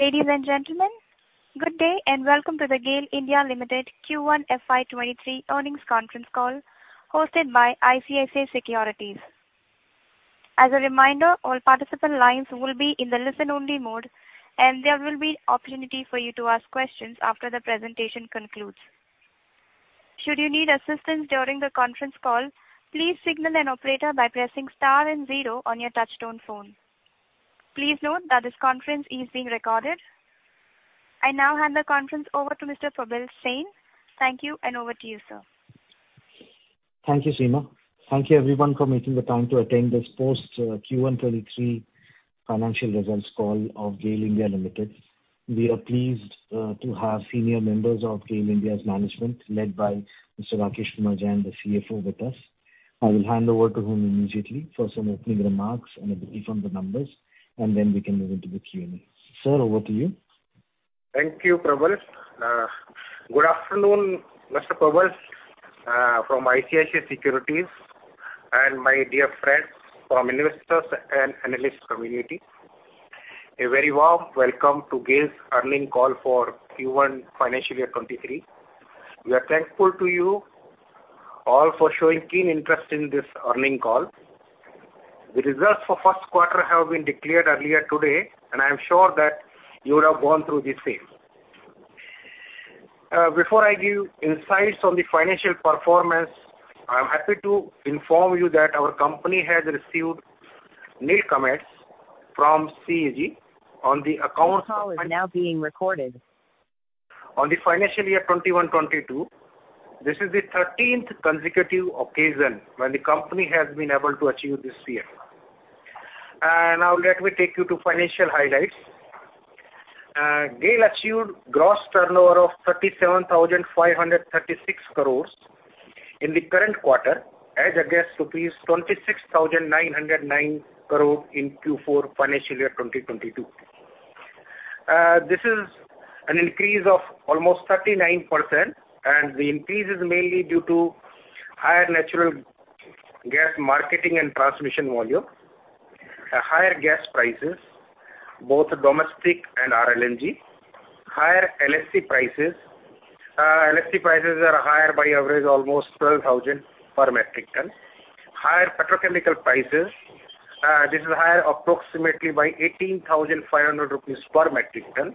Ladies and gentlemen, good day and welcome to the GAIL (India) Limited Q1 FY23 earnings conference call hosted by ICICI Securities. As a reminder, all participant lines will be in the listen-only mode, and there will be opportunity for you to ask questions after the presentation concludes. Should you need assistance during the conference call, please signal an operator by pressing star and zero on your touchtone phone. Please note that this conference is being recorded. I now hand the conference over to Mr. Prabal Sen. Thank you, and over to you, sir. Thank you, Seema. Thank you everyone for making the time to attend this post Q1 2023 financial results call of GAIL (India) Limited. We are pleased to have senior members of GAIL (India)'s management, led by Mr. Rakesh Kumar Jain, the CFO with us. I will hand over to him immediately for some opening remarks and a brief on the numbers, then we can move into the Q&A. Sir, over to you. Thank you, Prabal Sen. Good afternoon, Mr. Prabal Sen from ICICI Securities, my dear friends from investors and analyst community. A very warm welcome to GAIL's earnings call for Q1 financial year 2023. We are thankful to you all for showing keen interest in this earnings call. \The results for Q1 have been declared earlier today, and I am sure that you would have gone through the same. Before I give insights on the financial performance, I am happy to inform you that our company has received nil comments from CAG on the accounts of. Call is now being recorded. On the financial year 2021-22. This is the thirteenth consecutive occasion when the company has been able to achieve this year. Now let me take you to financial highlights. GAIL achieved gross turnover of 37,536 crore in the current quarter as against rupees 26,909 crore in Q4 financial year 2022. This is an increase of almost 39%, and the increase is mainly due to higher natural gas marketing and transmission volume. Higher gas prices, both domestic and RLNG. Higher LHC prices. LHC prices are higher by average almost 12,000 per metric ton. Higher petrochemical prices. This is higher approximately by 18,500 rupees per metric ton.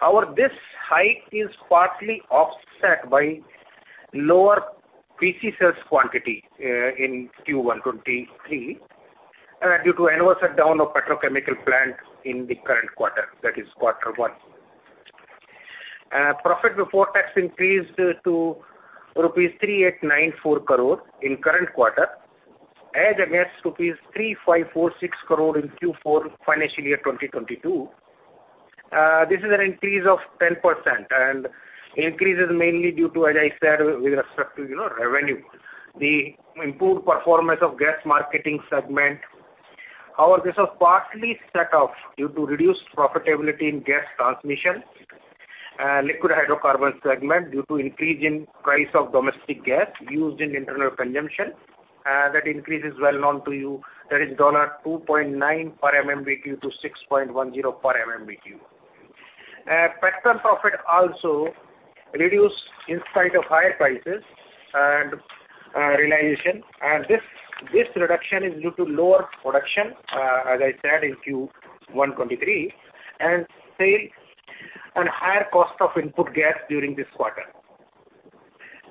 However, this hike is partly offset by lower PC sales quantity in Q1 2023 due to annual shutdown of petrochemical plant in the current quarter, that is quarter one. Profit before tax increased to 3,894 crore rupees in current quarter as against 3,546 crore rupees in Q4 financial year 2022. This is an increase of 10%, and increase is mainly due to, as I said, with respect to revenue. The improved performance of gas marketing segment. However, this was partly set off due to reduced profitability in gas transmission, liquid hydrocarbon segment due to increase in price of domestic gas used in internal consumption. That increase is well known to you. That is $2.9-$6.10 per MMBtu. Petrol profit also reduced in spite of higher prices and realization. This reduction is due to lower production, as I said in Q1 2023, and sales and higher cost of input gas during this quarter.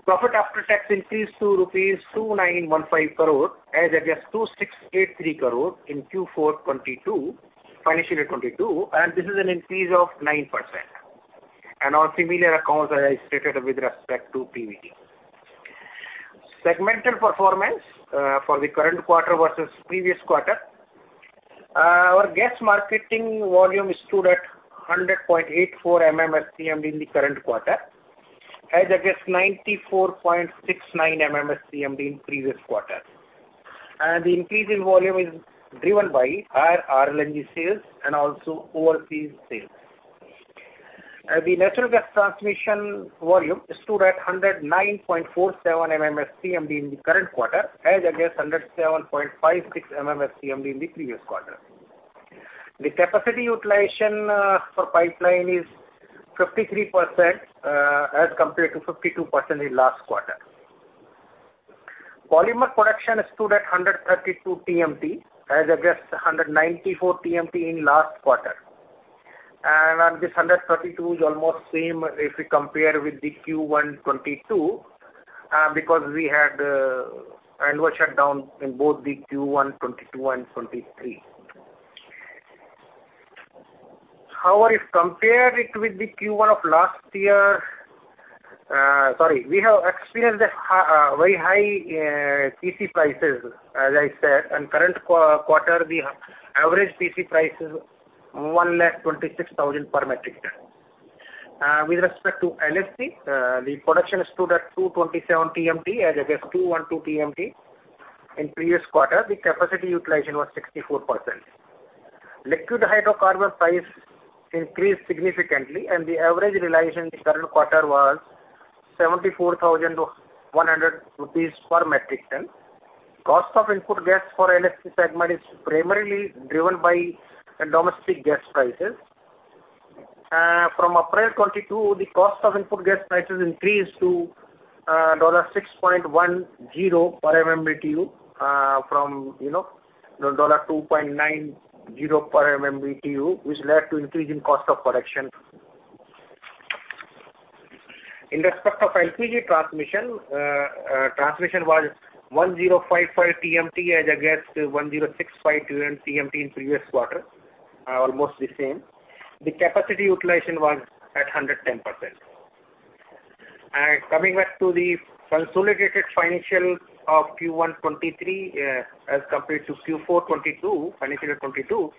Profit after tax increased to rupees 2915 crore as against 2683 crore in Q4 2022, financial year 2022. This is an increase of 9%. On similar accounts, as I stated with respect to PBT. Segmental performance for the current quarter versus previous quarter. Our gas marketing volume stood at 100.84 MMSCMD in the current quarter, as against 94.69 MMSCMD in previous quarter. The increase in volume is driven by higher RLNG sales and also overseas sales. The natural gas transmission volume stood at 109.47 MMSCMD in the current quarter as against 107.56 MMSCMD in the previous quarter. The capacity utilization for pipeline is 53%, as compared to 52% in last quarter. Polymer production stood at 132 TMT as against 194 TMT in last quarter. This 132 is almost same if we compare with the Q1 2022, because we had annual shutdown in both the Q1 2022 and 2023. However, if compared it with the Q1 of last year. We have experienced very high PC prices, as I said. In current quarter, the average PC price is 1.26 lakh per metric ton. With respect to LHC, the production stood at 227 TMT as against 212 TMT. In previous quarter, the capacity utilization was 64%. Liquid hydrocarbon price increased significantly, and the average realization in current quarter was INR 74,000-100,000 per metric ton. Cost of input gas for LNG segment is primarily driven by domestic gas prices. From April 2022, the cost of input gas prices increased to $6.10 per MMBtu from $2.90 per MMBtu, which led to increase in cost of production. In respect of LPG transmission was 1,055 TMT as against 1,065 TMT in previous quarter, almost the same. The capacity utilization was at 110%. Coming back to the consolidated financial of Q1 2023, as compared to Q4 2022, financial 2022,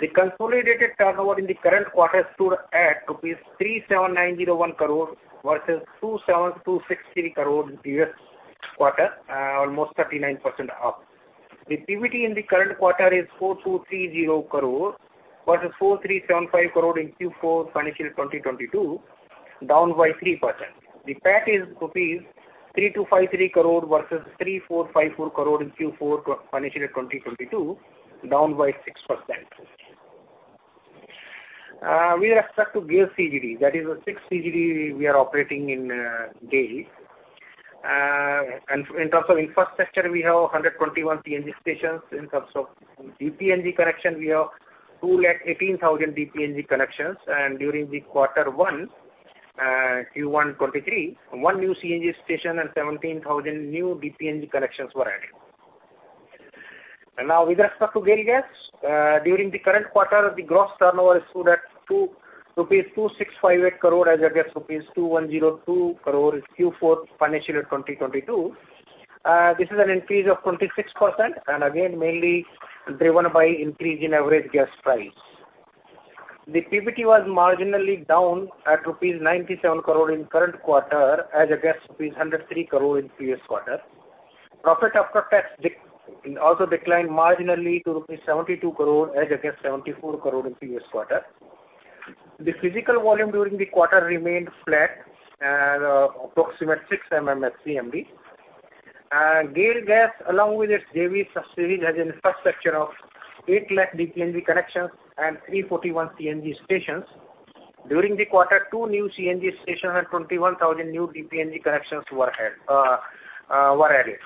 the consolidated turnover in the current quarter stood at 37,901 crore, versus 27,263 crore in previous quarter, almost 39% up. The PBT in the current quarter is 4,230 crore versus 4,375 crore in Q4 financial 2022, down by 3%. The PAT is rupees 3,253 crore versus 3,454 crore in Q4 financial 2022, down by 6%. With respect to GAIL CGD, that is the six CGD we are operating in, GAIL. In terms of infrastructure, we have 121 CNG stations. In terms of DPNG connection, we have two lakh eighteen thousand DPNG connections. During the quarter one, Q1 2023, 1 new CNG station and 17,000 new DPNG connections were added. Now with respect to GAIL Gas, during the current quarter, the gross turnover stood at rupees 2,658 crore as against rupees 2,102 crore in Q4 FY 2022. This is an increase of 26%, and again, mainly driven by increase in average gas price. The PBT was marginally down at rupees 97 crore in current quarter as against rupees 103 crore in previous quarter. Profit after tax also declined marginally to rupees 72 crore as against 74 crore in previous quarter. The physical volume during the quarter remained flat at approximately 6 MMSCMD. GAIL Gas, along with its JV subsidiaries, has infrastructure of 800,000 DPNG connections and 341 CNG stations. During the quarter, two new CNG stations and 21,000 new DPNG connections were added.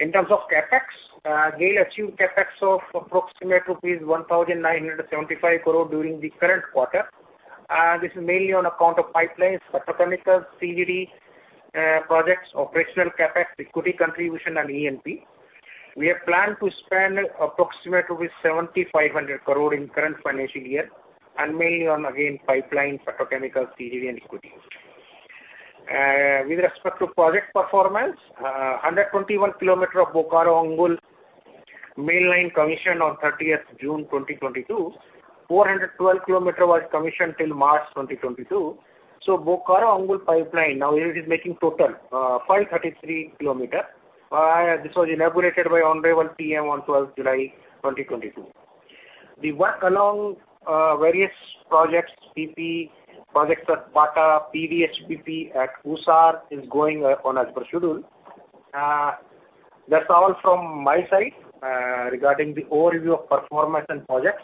In terms of CapEx, GAIL achieved CapEx of approximately rupees 1,975 crore during the current quarter. This is mainly on account of pipelines, petrochemicals, CGD projects, operational CapEx, equity contribution, and E&P. We have planned to spend approximately 7,500 crore in current financial year, and mainly on, again, pipelines, petrochemical, CGD, and equity. With respect to project performance, 121 kilometers of Bokaro-Angul main line commissioned on thirtieth June 2022. 412 kilometers was commissioned till March 2022. Bokaro-Angul pipeline now it is making total, 533 kilometers. This was inaugurated by honorable PM on twelfth July 2022. The work on various projects, PP projects at Pata, PDH/PP at Usar is going on as per schedule. That's all from my side regarding the overview of performance and projects.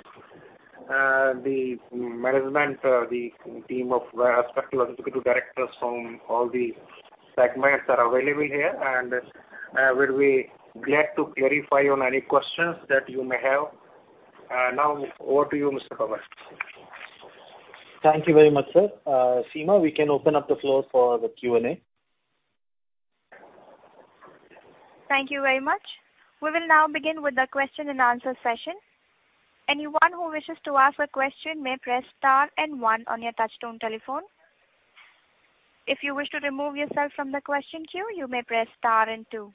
The management team of respective executive directors from all the segments are available here, and will be glad to clarify on any questions that you may have. Now over to you, Mr. Kumar. Thank you very much, sir. Seema, we can open up the floor for the Q&A. Thank you very much. We will now begin with the question and answer session. Anyone who wishes to ask a question may press star and one on your touchtone telephone. If you wish to remove yourself from the question queue, you may press star and two.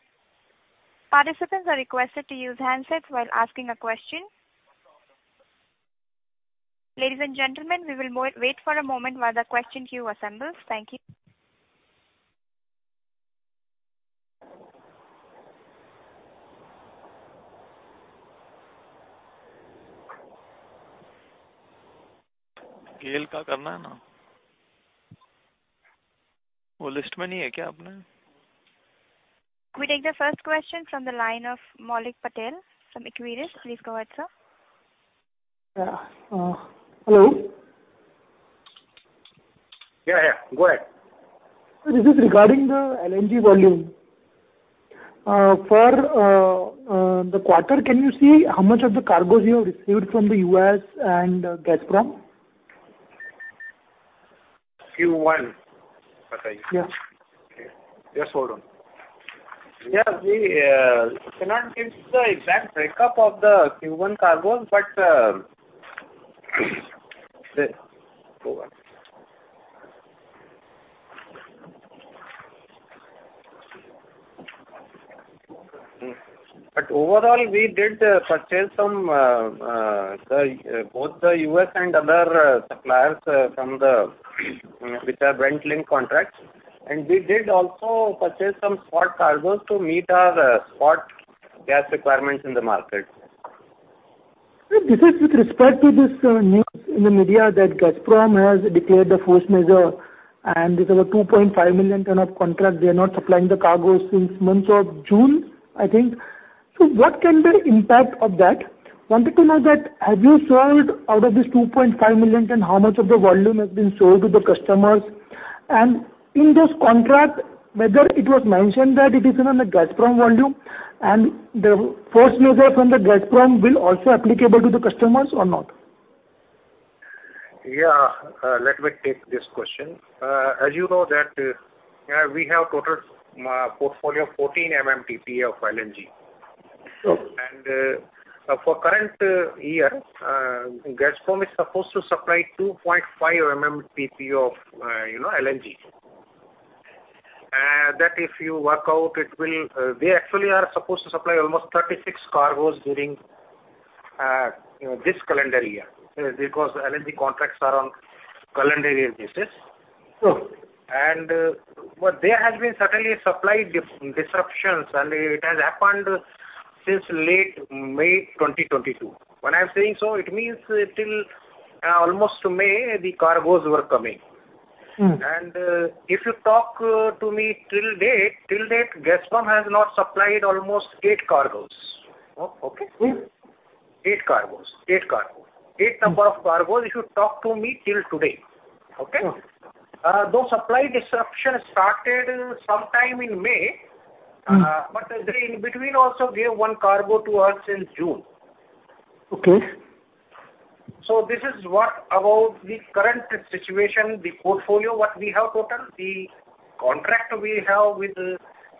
Participants are requested to use handsets while asking a question. Ladies and gentlemen, we will wait for a moment while the question queue assembles. Thank you. GAIL का करना है ना। वो list में नहीं है क्या आपने? We take the first question from the line of Maulik Patel from Equirus. Please go ahead, sir. Yeah. Hello? Yeah, yeah. Go ahead. Sir, this is regarding the LNG volume. For the quarter, can you see how much of the cargoes you have received from the US and Gazprom? Q1 बताइए। Yeah. Just hold on. Yeah. We cannot give the exact breakup of the Q1 cargoes, but go on. Overall, we did purchase some from both the US and other suppliers which are Brent-linked contracts. We did also purchase some spot cargoes to meet our spot gas requirements in the market. This is with respect to this news in the media that Gazprom has declared force majeure, and there's over 2.5 million tons of contract. They are not supplying the cargoes since month of June, I think. What can be the impact of that? Wanted to know that have you sold out of this 2.5 million tons, how much of the volume has been sold to the customers? In this contract, whether it was mentioned that it is on the Gazprom volume and the force majeure from the Gazprom will also applicable to the customers or not. Let me take this question. As you know that, we have total portfolio of 14 MMTPA of LNG. Sure. For current year, Gazprom is supposed to supply 2.5 MMTPA of LNG. That, if you work out, they actually are supposed to supply almost 36 cargoes during this calendar year, because LNG contracts are on calendar year basis. Sure. there has been certainly supply disruptions, and it has happened since late May 2022. When I'm saying so, it means till almost May the cargoes were coming. Mm-hmm. If you talk to me till date, Gazprom has not supplied almost eight cargoes. Okay? Mm-hmm. 8 cargoes. 8 number of cargoes if you talk to me till today, okay? Mm-hmm. Though supply disruption started some time in May. Mm-hmm. They in between also gave one cargo to us in June. Okay. This is what about the current situation, the portfolio, what we have total, the contract we have with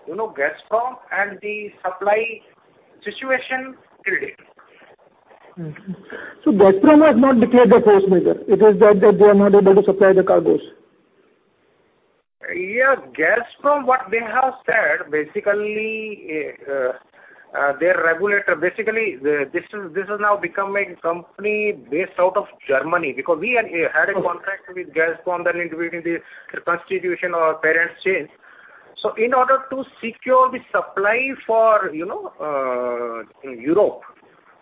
Gazprom, and the supply situation till date. Gazprom has not declared the force majeure. It is that they are not able to supply the cargoes. Yeah. Gazprom, what they have said, basically, their regulator. Basically, this is now a company based out of Germany because we had a contract with Gazprom, then in between the reconstitution, our partners changed. In order to secure the supply for Europe.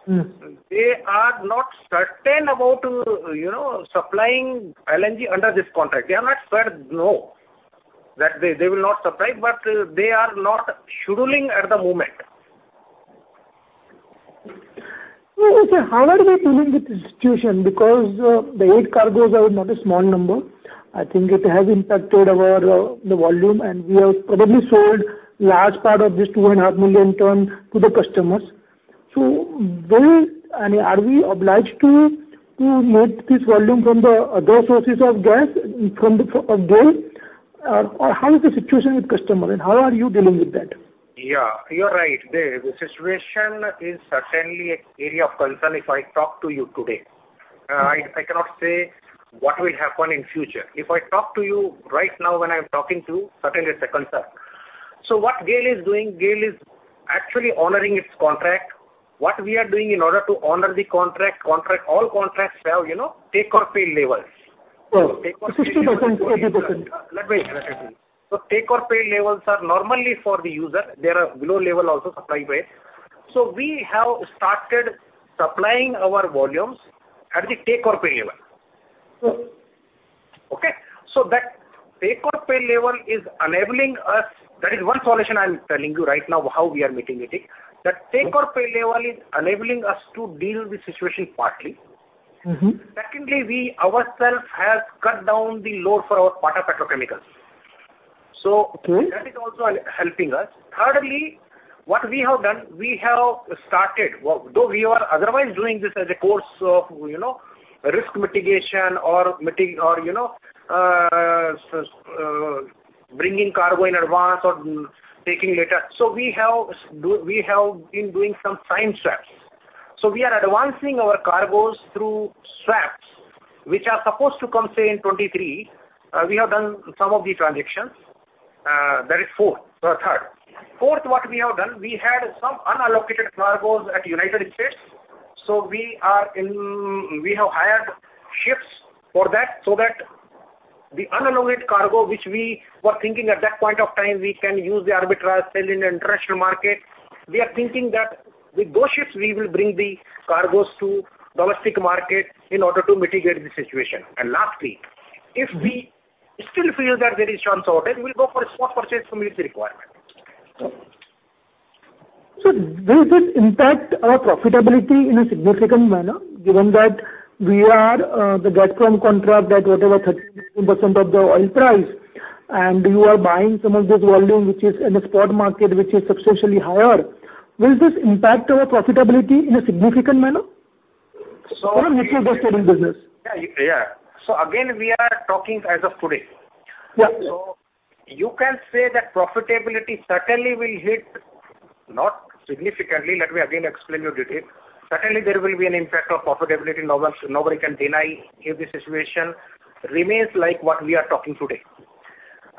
Mm-hmm. They are not certain about supplying LNG under this contract. They are not certain that they will not supply, but they are not scheduling at the moment. Okay. How are we dealing with the situation? Because the eight cargoes are not a small number. I think it has impacted our volume, and we have probably sold large part of this 2.5 million ton to the customers. I mean, are we obliged to meet this volume from the other sources of gas of GAIL? Or how is the situation with customer and how are you dealing with that? Yeah, you're right. The situation is certainly an area of concern if I talk to you today. I cannot say what will happen in future. If I talk to you right now when I'm talking to you, certainly it's a concern. What GAIL is doing, GAIL is actually honoring its contract. What we are doing in order to honor the contract, all contracts have take-or-pay levels. Sure. 60%, 80%. Let me explain. Take-or-pay levels are normally for the user. There are below levels also supplied by it. We have started supplying our volumes at the take-or-pay level. Sure. Okay? That take-or-pay level is enabling us. That is one solution I'm telling you right now how we are mitigating. That take-or-pay level is enabling us to deal with the situation partly. Mm-hmm. Secondly, we ourselves have cut down the load for our Pata Petrochemicals. Okay. That is also helping us. Thirdly, what we have done, we have started, though we were otherwise doing this as a course of risk mitigation or bringing cargo in advance or taking later. So we have been doing some time swaps. So we are advancing our cargoes through swaps, which are supposed to come, say, in 2023. We have done some of the transactions. That is four. Third. Fourth, what we have done, we had some unallocated cargoes in the United States. We have hired ships for that, so that the unallocated cargo, which we were thinking at that point of time, we can use the arbitrage sale in the international market. We are thinking that with those ships we will bring the cargoes to domestic market in order to mitigate the situation. Lastly, if we still feel that there is chance of it, we'll go for a spot purchase to meet the requirement. Sure. Will this impact our profitability in a significant manner given that we are the Gazprom contract at whatever 13%-18% of the oil price, and you are buying some of this volume, which is in the spot market, which is substantially higher? Will this impact our profitability in a significant manner? So- It is a good selling business. Yeah. Again, we are talking as of today. Yeah. You can say that profitability certainly will hit, not significantly. Let me again explain you the detail. Certainly there will be an impact on profitability. No one, nobody can deny if the situation remains like what we are talking today.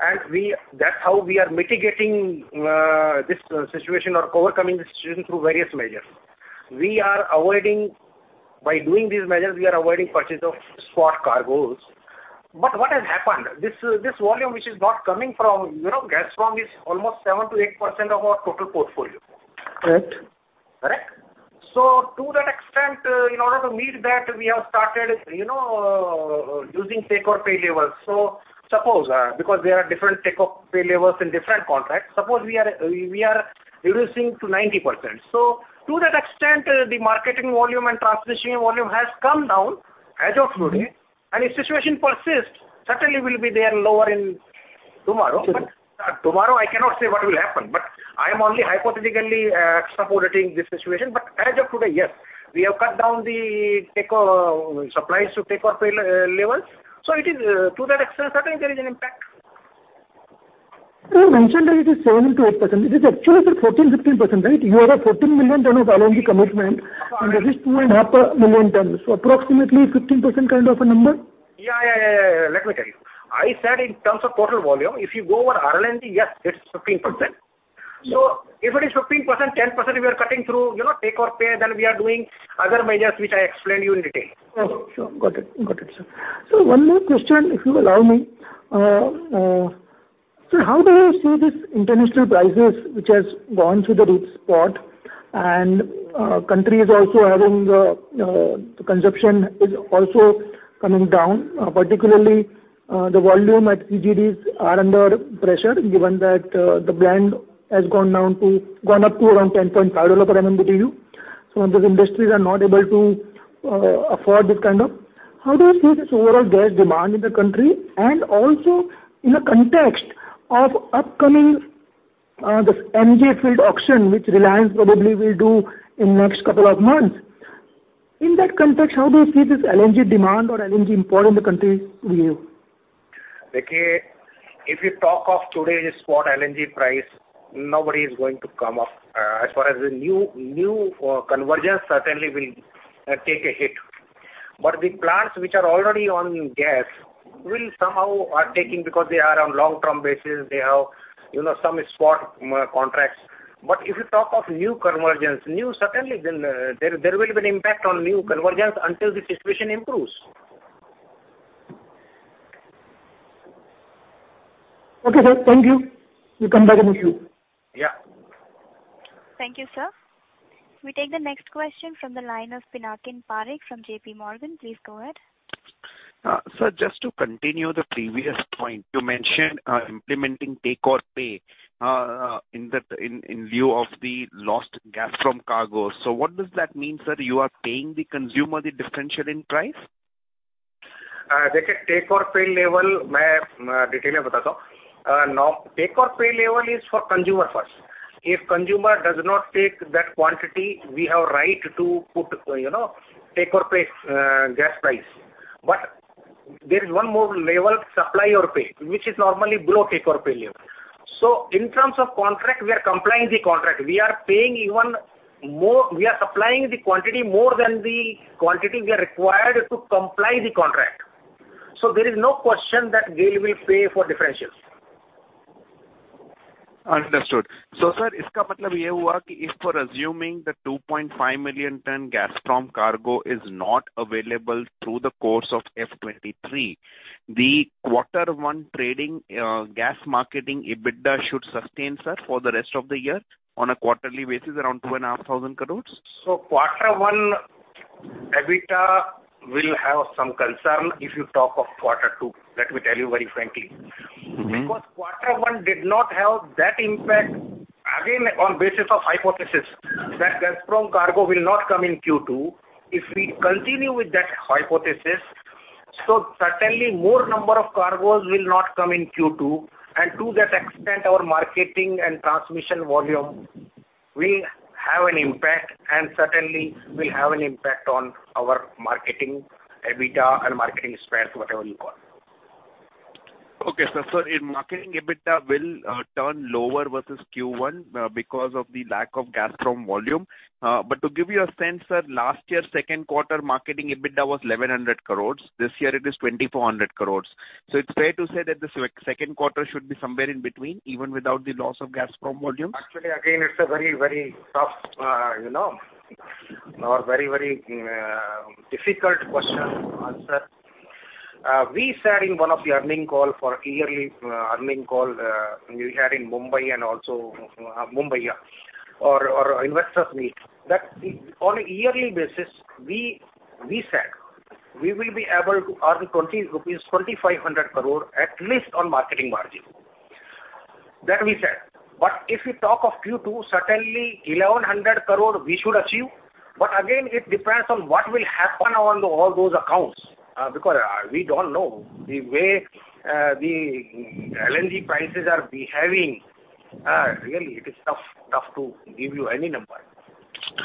That's how we are mitigating this situation or overcoming the situation through various measures. We are avoiding purchase of spot cargoes. But what has happened, this volume which is not coming from Gazprom is almost 7%-8% of our total portfolio. Right. Correct? To that extent, in order to meet that, we have started using take-or-pay levels. Suppose, because there are different take-or-pay levels in different contracts, suppose we are reducing to 90%. To that extent, the marketing volume and transmission volume has come down as of today. Mm-hmm. If situation persists, certainly we'll be there lower in tomorrow. Sure. Tomorrow I cannot say what will happen, but I am only hypothetically supporting this situation. As of today, yes, we have cut down the supplies to take-or-pay levels, so it is to that extent, certainly there is an impact. You mentioned that it is 7%-8%. It is actually 14%-15%, right? You have a 14 million tons of LNG commitment, and this is 2.5 million tons, so approximately 15% kind of a number. Yeah. Let me tell you. I said in terms of total volume. If you go over LNG, yes, it's 15%. Yeah. If it is 15%, 10% we are cutting through take-or-pay, then we are doing other measures which I explained you in detail. Okay, sure. Got it, sir. One more question, if you allow me. How do you see this international prices, which has gone through the roof, spot, and countries also having the consumption is also coming down, particularly the volume at CGDs are under pressure, given that the blend has gone up to around $10.5 per MMBtu, so those industries are not able to afford this kind of. How do you see this overall gas demand in the country, and also in the context of upcoming this KG field auction, which Reliance probably will do in next couple of months. In that context, how do you see this LNG demand or LNG import in the country view? If you talk of today's spot LNG price, nobody is going to come up. As far as the new consumers certainly will take a hit. The plants which are already on gas will somehow are taking because they are on long-term basis. They have some spot contracts. If you talk of new consumers, certainly then there will be an impact on new consumers until the situation improves. Okay, sir. Thank you. We'll come back if issue. Yeah. Thank you, sir. We take the next question from the line of Pinakin Parekh from JP Morgan. Please go ahead. Sir, just to continue the previous point, you mentioned implementing take-or-pay in lieu of the lost Gazprom cargo. What does that mean, sir? You are paying the consumer the differential in price? Take or pay level is for consumer first. If consumer does not take that quantity, we have right to put take-or-pay gas price. There is one more level, supply-or-pay, which is normally below take-or-pay level. In terms of contract, we are complying the contract. We are paying even more. We are supplying the quantity more than the quantity we are required to comply the contract. There is no question that GAIL will pay for differentials. Understood. Sir, Yeah, as of date, yes,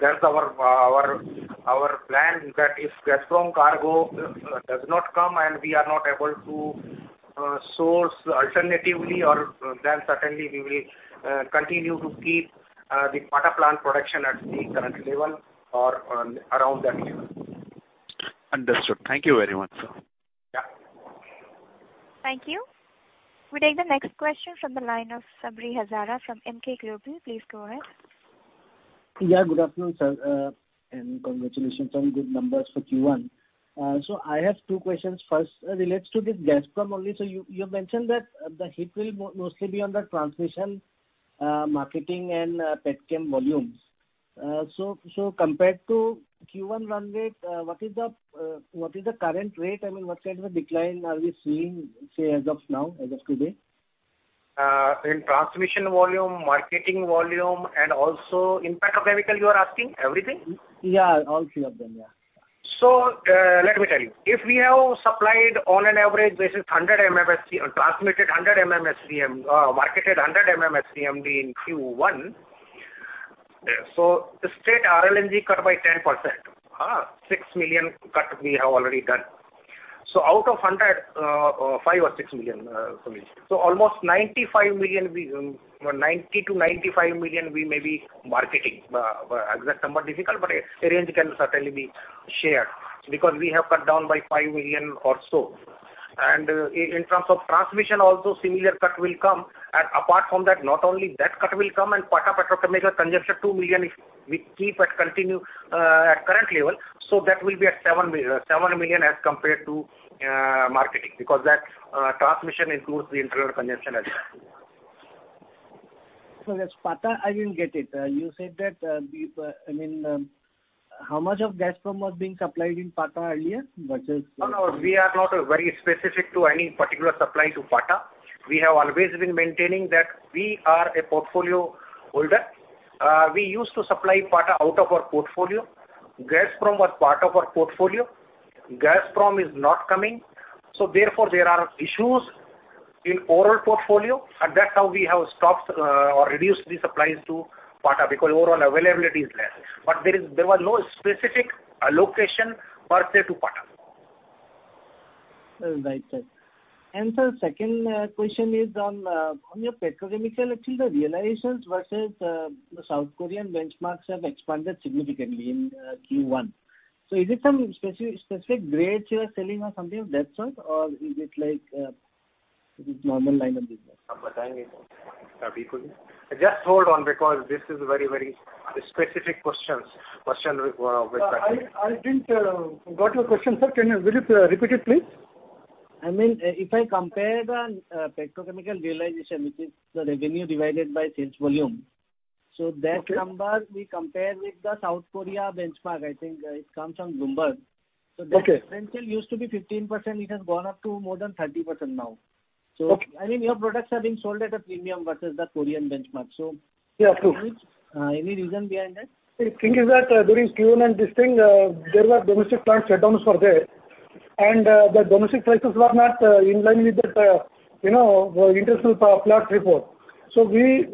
that's our plan that if Gazprom cargo does not come and we are not able to source alternatively or then certainly we will continue to keep the Pata plant production at the current level or around that level. Understood. Thank you very much, sir. Yeah. Thank you. We take the next question from the line of Sabri Hazarika from Emkay Global. Please go ahead. Yeah, good afternoon, sir. And congratulations on good numbers for Q1. I have two questions. First, relates to the Gazprom only. You mentioned that the hit will mostly be on the transmission, marketing and petchem volumes. Compared to Q1 run rate, what is the current rate? I mean, what kind of a decline are we seeing, say as of now, as of today? In transmission volume, marketing volume, and also in petrochemical you are asking? Everything? Yeah, all three of them. Yeah. Let me tell you. If we have supplied on an average basis 100 MMSCM, transmitted 100 MMSCMD, marketed 100 MMSCMD in Q1. State RLNG cut by 10%. Six million cut we have already done. Out of 100, five or six million. Almost 95 million we, 90-95 million we may be marketing. Exact number difficult, but a range can certainly be shared because we have cut down by 5 million or so. In terms of transmission also similar cut will come. Apart from that, not only that cut will come and Pata petrochemical consumption 2 million if we keep at continue at current level, so that will be at 7 million as compared to marketing. Because that transmission includes the internal consumption as well. Yes, Pata, I didn't get it. You said that, we've, I mean, how much of Gazprom was being supplied in Pata earlier versus? No, no. We are not very specific to any particular supply to Pata. We have always been maintaining that we are a portfolio holder. We used to supply Pata out of our portfolio. Gazprom was part of our portfolio. Gazprom is not coming. Therefore there are issues in overall portfolio. And that's how we have stopped or reduced the supplies to Pata because overall availability is less. There is, there was no specific allocation per se to Pata. All right, sir. Sir, second question is on your petrochemical. Actually the realizations versus South Korean benchmarks have expanded significantly in Q1. Is it some specific grades you are selling or something of that sort? Is it like normal line of business? Just hold on because this is very, very specific questions. Question with I didn't got your question, sir. Will you repeat it, please? I mean, if I compare the petrochemical realization, which is the revenue divided by sales volume. Okay. Number we compare with the South Korea benchmark, I think, it comes from Bloomberg. Okay. That potential used to be 15%. It has gone up to more than 30% now. Okay. I mean, your products are being sold at a premium versus the Korean benchmark. Yeah, true. Any reason behind that? The thing is that, during Q1 and this thing, there were domestic plant shutdowns. The domestic prices were not in line with the international Platts report. We,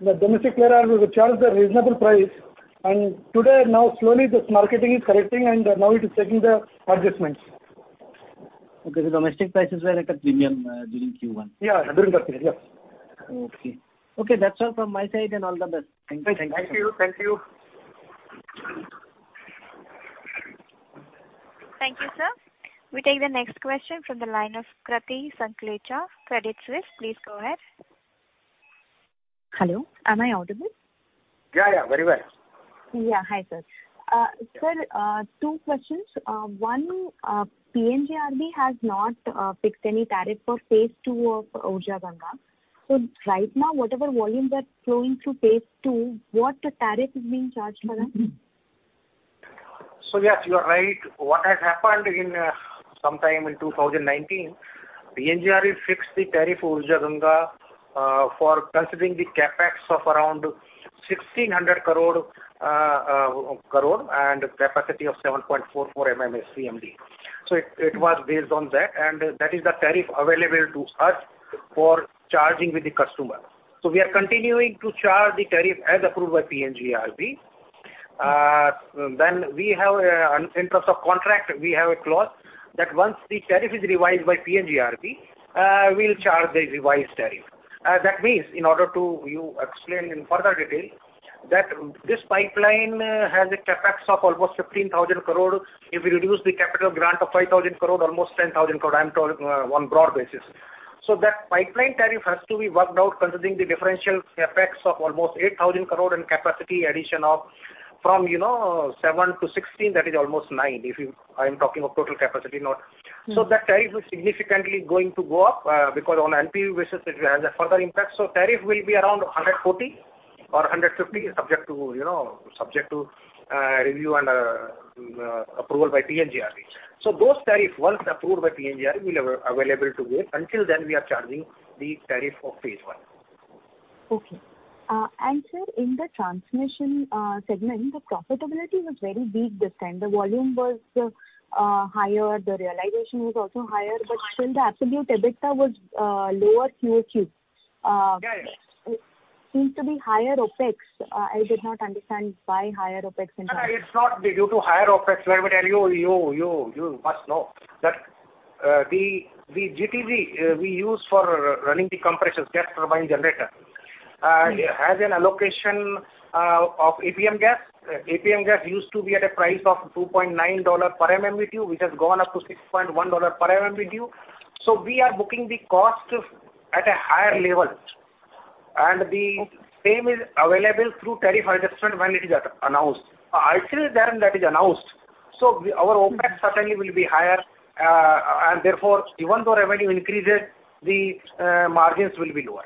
the domestic player will charge the reasonable price. Today, now slowly this market is correcting and now it is taking the adjustments. Okay. Domestic prices were at a premium during Q1? Yeah, during that period, yes. Okay. Okay, that's all from my side. All the best. Thank you. Thank you. Thank you. Thank you, sir. We take the next question from the line of Krati Sanklecha, Credit Suisse. Please go ahead. Hello, am I audible? Yeah, yeah, very well. Hi, sir. Sir, two questions. One, PNGRB has not fixed any tariff for phase two of Urja Ganga. Right now, whatever volume that's flowing through phase two, what tariff is being charged for that? Yes, you are right. What has happened sometime in 2019, PNGRB fixed the tariff Urja Ganga for considering the CapEx of around 1,600 crore and capacity of 7.44 MMSCMD. It was based on that, and that is the tariff available to us for charging with the customer. We are continuing to charge the tariff as approved by PNGRB. In terms of contract, we have a clause that once the tariff is revised by PNGRB, we'll charge the revised tariff. That means in order for you to explain in further detail that this pipeline has a CapEx of almost 15,000 crore. If you reduce the capital grant of 5,000 crore, almost 10,000 crore, I'm talking on broad basis. that pipeline tariff has to be worked out considering the differential effects of almost 8,000 crore and capacity addition of from 7-16, that is almost 9. I am talking of total capacity, not- Mm-hmm. That tariff is significantly going to go up, because on LPU basis it has a further impact. Tariff will be around 140 or 150 subject to review and approval by PNGRB. Those tariff once approved by PNGRB will be available to us. Until then, we are charging the tariff of phase one. Okay. Sir, in the transmission segment, the profitability was very big this time. The volume was higher. The realization was also higher. Still the absolute EBITDA was lower QoQ. It seems to be higher OpEx. I did not understand why higher OpEx in- No, no, it's not due to higher OpEx. Let me tell you must know that the GTG we use for running the compressors, gas turbine generator, has an allocation of APM gas. APM gas used to be at a price of $2.9 per MMBtu, which has gone up to $6.1 per MMBtu. We are booking the cost of at a higher level, and the same is available through tariff adjustment when it is announced. Actually then that is announced. Our OpEx certainly will be higher. Therefore, even though revenue increases, the margins will be lower.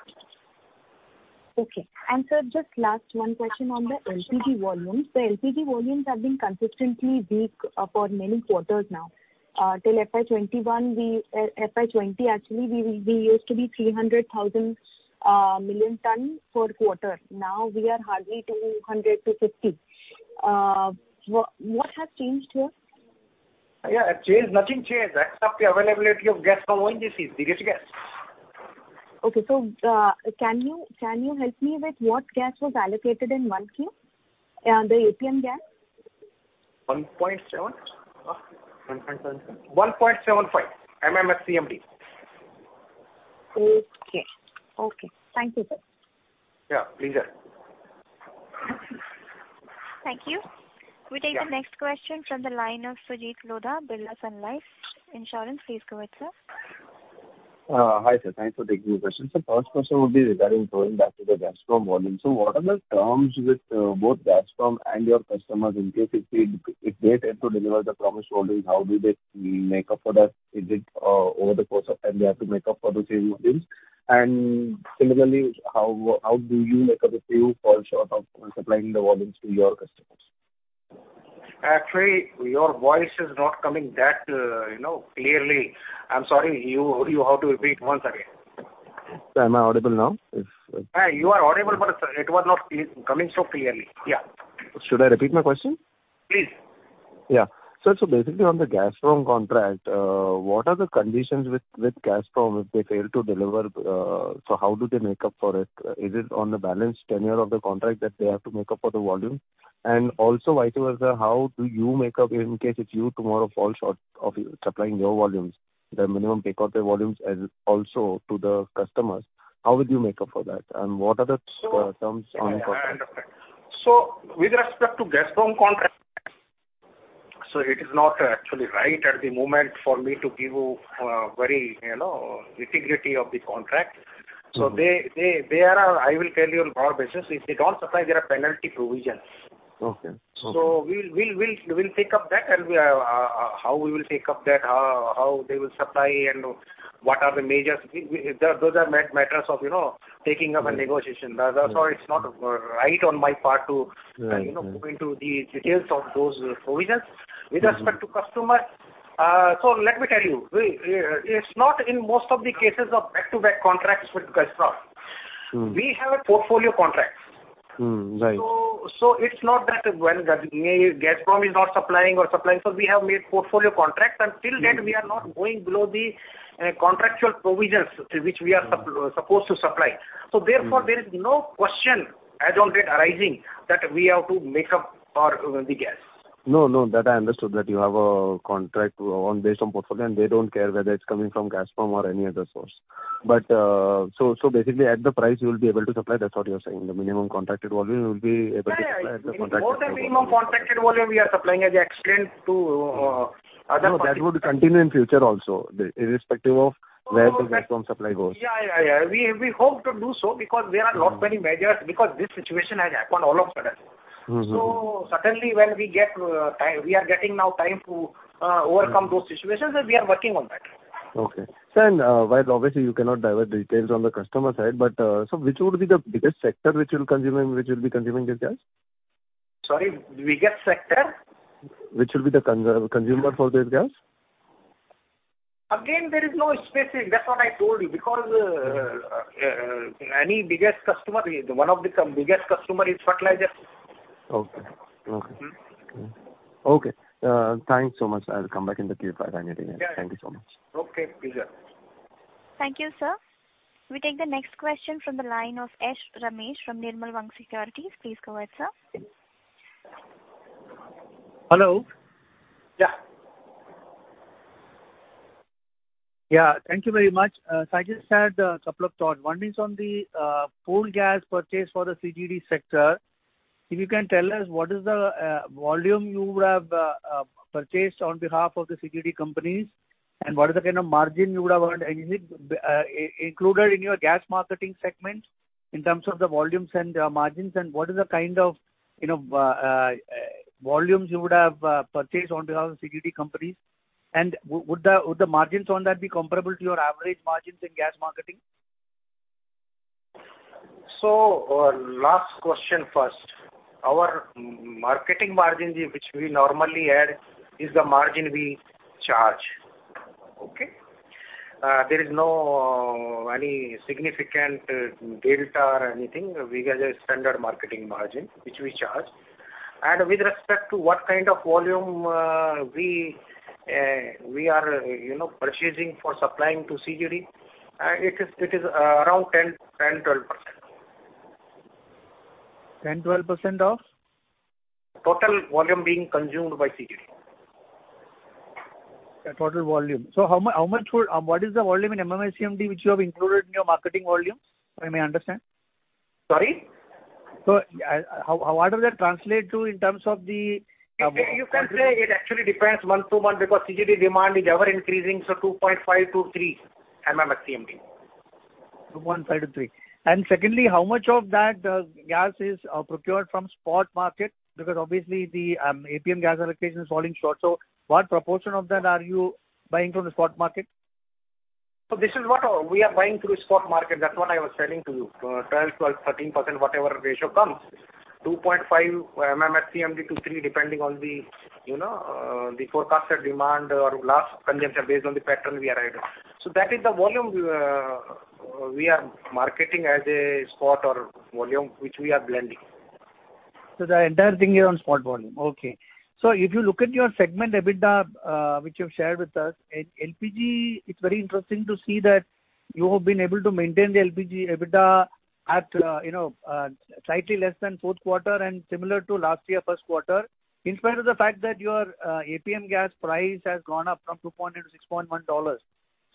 Sir, just last one question on the LPG volumes. The LPG volumes have been consistently weak for many quarters now. Till FY 2020 actually, we used to be 300,000 ton per quarter. Now we are hardly 200-250. What has changed here? Yeah, changed. Nothing changed except the availability of gas from ONGC, the rich gas. Okay. Can you help me with what gas was allocated in 1Q? The APM gas. 1.7. 1.75 MMSCMD. Okay. Okay. Thank you, sir. Yeah, pleasure. Thank you. Yeah. We take the next question from the line of Sujit Lodha, Birla Sun Life Insurance. Please go ahead, sir. Hi, sir. Thanks for taking the question. First question would be regarding going back to the Gazprom volumes. What are the terms with both Gazprom and your customers in case if they fail to deliver the promised volumes, how do they make up for that? Is it over the course of time they have to make up for the same volumes? Similarly, how do you make up if you fall short of supplying the volumes to your customers? Actually, your voice is not coming that clearly. I'm sorry, you have to repeat once again. Sir, am I audible now? Yeah, you are audible, but it was not coming so clearly. Yeah. Should I repeat my question? Please. Yeah. Basically on the Gazprom contract, what are the conditions with Gazprom if they fail to deliver? How do they make up for it? Is it on the balance tenure of the contract that they have to make up for the volume? And also vice versa, how do you make up in case it's you tomorrow fall short of supplying your volumes, the minimum take of the volumes and also to the customers, how would you make up for that? And what are the terms on? I understand. With respect to Gazprom contract, it is not actually right at the moment for me to give you very integrity of the contract. Mm-hmm. They are. I will tell you on broad basis, if they don't supply, there are penalty provisions. Okay. Okay. We'll take up that, how we will take up that, how they will supply and what are the majors. Those are matters of taking up a negotiation. That's why it's not right on my part to- Right. go into the details of those provisions. Mm-hmm. With respect to customer. Let me tell you, it's not in most of the cases of back-to-back contracts with Gazprom. Mm-hmm. We have a portfolio contract. Mm-hmm. Right. It's not that when Gazprom is not supplying or supplying. We have made portfolio contract, and till then we are not going below the contractual provisions to which we are supposed to supply. Therefore, there is no question as of yet arising that we have to make up for the gas. No, that I understood that you have a contract or based on portfolio, and they don't care whether it's coming from Gazprom or any other source. Basically at the price you will be able to supply, that's what you're saying. The minimum contracted volume, you will be able to supply at the contracted volume. Yeah, yeah. More than minimum contracted volume we are supplying as against to other parties. No, that would continue in future also, irrespective of where the Gazprom supply goes. Yeah. We hope to do so because there are lot many measures, because this situation has happened all of sudden. Mm-hmm. Certainly, we are getting now time to overcome those situations, and we are working on that. Okay. Sir, while obviously you cannot divulge details on the customer side, but so which would be the biggest sector which will consume and which will be consuming this gas? Sorry, biggest sector? Which will be the consumer for this gas? Again, there is no specific. That's what I told you because any biggest customer, one of the biggest customer is fertilizer. Okay. Mm-hmm. Okay. Thanks so much. I'll come back in the queue if I have anything else. Yeah. Thank you so much. Okay, pleasure. Thank you, sir. We take the next question from the line of Ashish Ramesh from Nirmal Bang Securities. Please go ahead, sir. Hello. Yeah. Yeah. Thank you very much. I just had a couple of thoughts. One is on the pooled gas purchase for the CGD sector. If you can tell us what is the volume you would have purchased on behalf of the CGD companies, and what is the kind of margin you would have earned, is it included in your gas marketing segment in terms of the volumes and margins? What is the kind of volumes you would have purchased on behalf of CGD companies? Would the margins on that be comparable to your average margins in gas marketing? Last question first. Our marketing margin, which we normally add, is the margin we charge. Okay? There is no any significant delta or anything. We get a standard marketing margin, which we charge. With respect to what kind of volume we are purchasing for supplying to CGD, it is around 10%-12%. 10-12% of? Total volume being consumed by CGD. The total volume. What is the volume in MMSCMD which you have included in your marketing volumes, so I may understand? Sorry? How does that translate to in terms of the? You can say it actually depends month to month because CGD demand is ever-increasing, so 2.5-3 MMSCMD. 2.5-3. Secondly, how much of that gas is procured from spot market? Because obviously the APM gas allocation is falling short. What proportion of that are you buying from the spot market? This is what we are buying through spot market. That's what I was telling to you. 12.13%, whatever ratio comes. 2.5 MMSCMD to 3, depending on the the forecasted demand or gas consumption based on the pattern we arrive. That is the volume we are marketing as a spot or volume which we are blending. The entire thing is on spot volume. Okay. If you look at your segment EBITDA, which you've shared with us, in LPG, it's very interesting to see that you have been able to maintain the LPG EBITDA at slightly less than Q4 and similar to last year Q1, in spite of the fact that your APM gas price has gone up from $2.9-$6.1.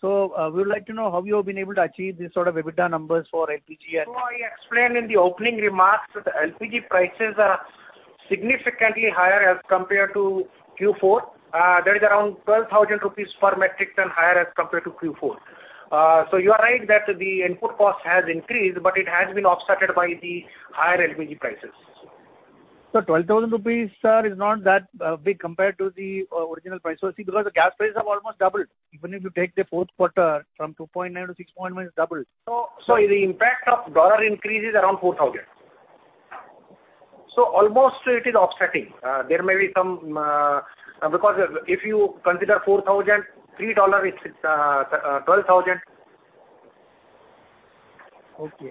We would like to know how you have been able to achieve these sort of EBITDA numbers for LPG and- I explained in the opening remarks that the LPG prices are significantly higher as compared to Q4. That is around 12,000 rupees per metric ton higher as compared to Q4. You are right that the input cost has increased, but it has been offset by the higher LPG prices. Twelve thousand rupees, sir, is not that big compared to the original price. See, because the gas prices have almost doubled. Even if you take the Q4 from $2.9 to $6.1, it's doubled. The impact of dollar increase is around 4,000. Almost, it is offsetting. There may be some. Because if you consider 4,000, $3 it's 12,000.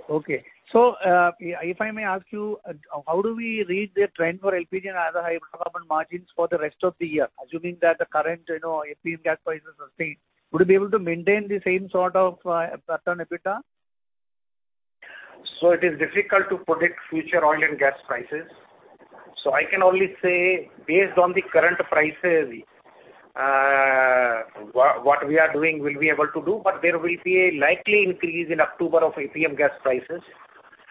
Okay, if I may ask you, how do we read the trend for LPG and other hydrocarbon margins for the rest of the year, assuming that the current APM gas prices are stayed? Would you be able to maintain the same sort of PAT and EBITDA? It is difficult to predict future oil and gas prices. I can only say based on the current prices, what we are doing, we'll be able to do. There will be a likely increase in October of APM gas prices.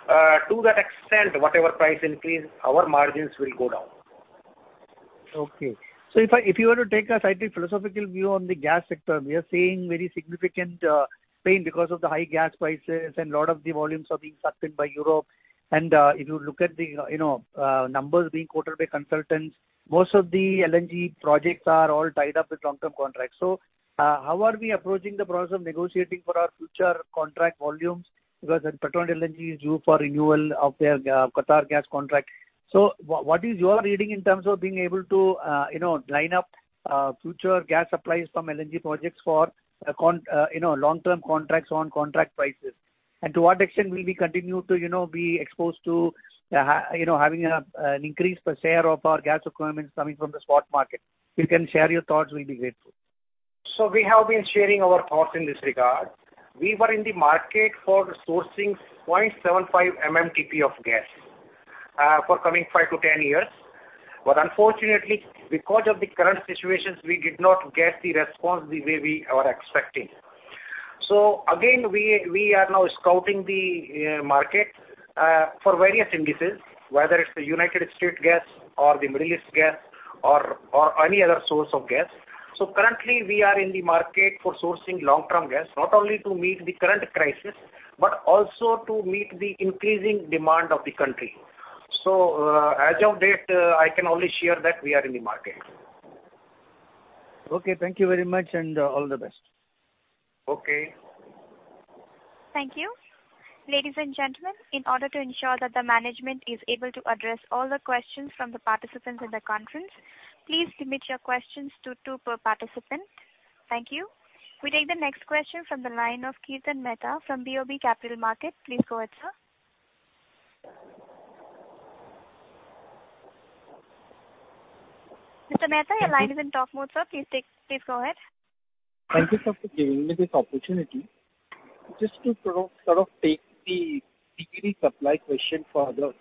To that extent, whatever price increase, our margins will go down. If you were to take a slightly philosophical view on the gas sector, we are seeing very significant pain because of the high gas prices and lot of the volumes are being sucked in by Europe. If you look at the numbers being quoted by consultants, most of the LNG projects are all tied up with long-term contracts. How are we approaching the process of negotiating for our future contract volumes? Because Petronet LNG is due for renewal of their Qatar gas contract. What is your reading in terms of being able to line up future gas supplies from LNG projects for long-term contracts on contract prices? To what extent will we continue to be exposed to having an increased per share of our gas requirements coming from the spot market? If you can share your thoughts, we'll be grateful. We have been sharing our thoughts in this regard. We were in the market for sourcing 0.75 MMTPA of gas for coming five to 10 years. Unfortunately, because of the current situations, we did not get the response the way we are expecting. Again we are now scouting the market for various indices, whether it's the United States gas or the Middle East gas or any other source of gas. Currently we are in the market for sourcing long-term gas, not only to meet the current crisis, but also to meet the increasing demand of the country. As of date, I can only share that we are in the market. Okay. Thank you very much, and all the best. Okay. Thank you. Ladies and gentlemen, in order to ensure that the management is able to address all the questions from the participants in the conference, please limit your questions to two per participant. Thank you. We take the next question from the line of Kirtan Mehta from BOB Capital Markets. Please go ahead, sir. Mr. Mehta, your line is in talk mode, sir. Please go ahead. Thank you, sir, for giving me this opportunity. Just to sort of take the CGD supply question further.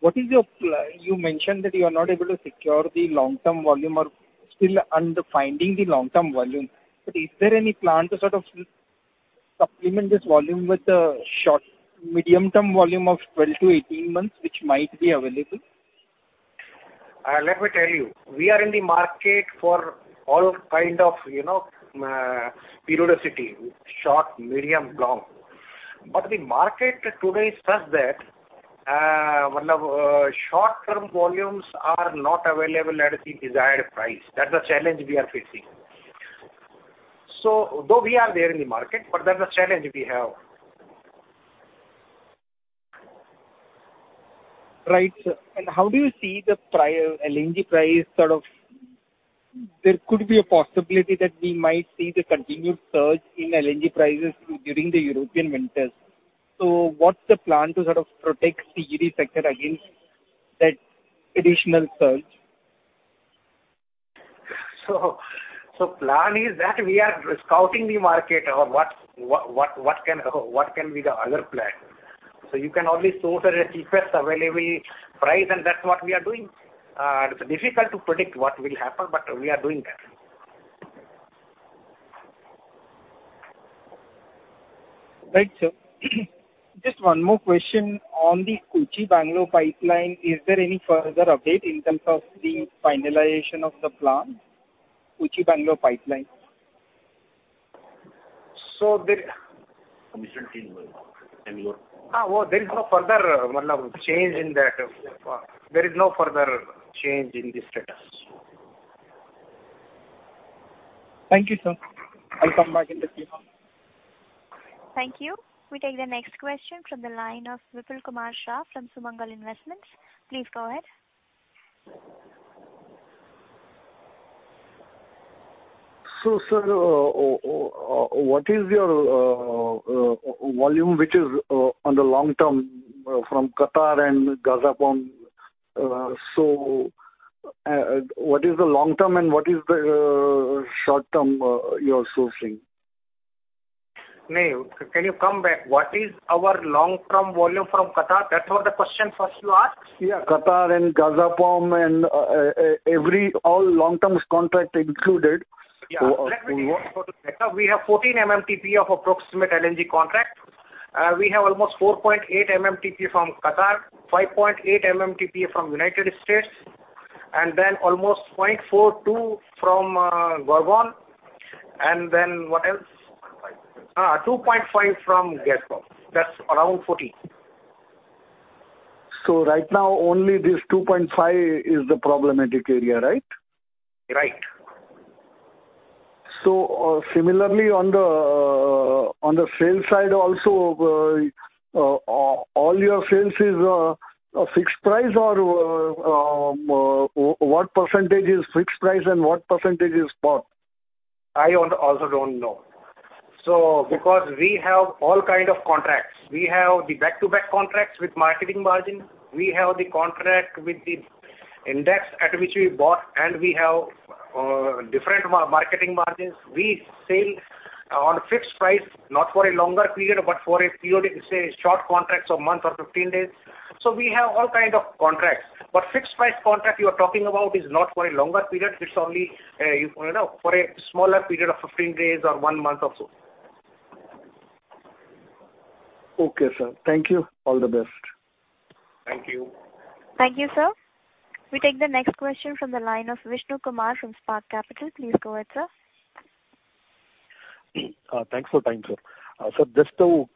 You mentioned that you are not able to secure the long-term volume or still finding the long-term volume. Is there any plan to sort of supplement this volume with a short, medium-term volume of 12-18 months, which might be available? Let me tell you, we are in the market for all kind of periodicity, short, medium, long. But the market today is such that short-term volumes are not available at the desired price. That's the challenge we are facing. Though we are there in the market, but that's the challenge we have. Right, sir. How do you see the LNG price sort of? There could be a possibility that we might see the continued surge in LNG prices during the European winters. What's the plan to sort of protect CGD sector against that additional surge? Plan is that we are scouting the market on what can be the other plan. You can only source at a cheapest available price, and that's what we are doing. It's difficult to predict what will happen, but we are doing that. Right, sir. Just one more question on the Kochi Bangalore pipeline. Is there any further update in terms of the finalization of the plant, Kochi Bangalore pipeline? So the- Commission team will know. Bangalore. Oh, there is no further change in that. There is no further change in the status. Thank you, sir. I'll come back in the Q&A. Thank you. We take the next question from the line of Vipul Kumar Shah from Sumangal Investments. Please go ahead. Sir, what is your volume, which is on the long term from Qatar and Gazprom? What is the long term and what is the short term you are sourcing? Can you come back? What is our long term volume from Qatar? That was the question first you asked. Yeah, Qatar and Gazprom and every all long-term contract included. Yeah. Let me take you through the data. We have 14 MMTPA of approximate LNG contract. We have almost 4.8 MMTPA from Qatar, 5.8 MMTPA from United States, and then almost 0.42 from Gorgon. Then what else? 2.5. 2.5 from Gazprom. That's around 14. Right now, only this 2.5 is the problematic area, right? Right. Similarly, on the sales side also, all your sales is a fixed price or what percentage is fixed price and what percentage is spot? I also don't know. Because we have all kind of contracts, we have the back-to-back contracts with marketing margin. We have the contract with the index at which we bought, and we have different marketing margins. We sell on fixed price, not for a longer period, but for a period, say, short contracts of month or 15 days. We have all kind of contracts. Fixed price contract you are talking about is not for a longer period. It's only for a smaller period of 15 days or one month or so. Okay, sir. Thank you. All the best. Thank you. Thank you, sir. We take the next question from the line of Vishnu Kumar from Spark Capital. Please go ahead, sir. Thanks for time, sir. Sir, just to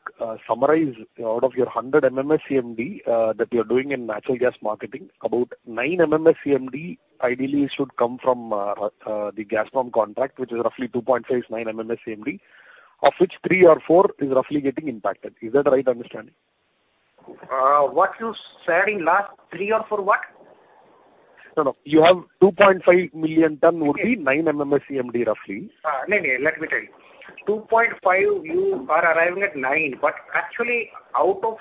summarize out of your 100 MMSCMD that you're doing in natural gas marketing, about 9 MMSCMD ideally should come from the Gazprom contract, which is roughly 2.59 MMSCMD, of which 3 or 4 is roughly getting impacted. Is that the right understanding? What you said in last three or four what? No, no. You have 2.5 million ton would be 9 MMSCMD, roughly. No, no. Let me tell you. 2.5, you are arriving at nine. But actually, out of